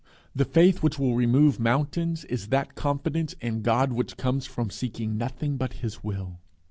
The faith which will remove mountains is that confidence in God which comes from seeking nothing but his will.